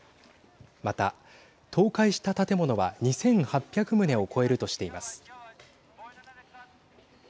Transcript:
また、倒壊した建物は２８００棟を超えるとしています。